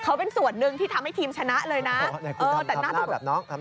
เขาเป็นส่วนหนึ่งที่ทำให้ทีมชนะเลยนะ